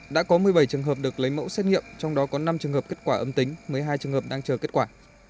đã có một mươi bảy trường hợp được lấy mẫu xét nghiệm trong đó có năm trường hợp kết quả âm tính một mươi hai trường hợp đang chờ kết quả